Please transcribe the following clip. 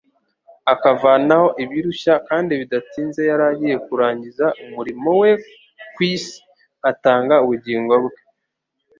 akavanaho ibirushya kandi bidatinze yari agiye kurangiza umurimo we ku isi, atanga ubugingo bwe.